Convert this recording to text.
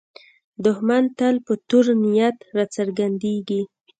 دښمن تل په تور نیت راڅرګندېږي